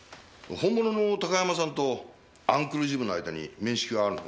本物の高山さんとアンクル・ジムの間に面識はあるの？